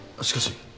しかし。